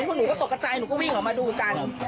พวกหนูก็ตกกระใจหนูก็วิ่งออกมาดูกัน